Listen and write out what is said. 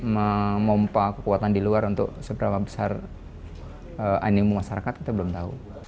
memompa kekuatan di luar untuk seberapa besar animu masyarakat kita belum tahu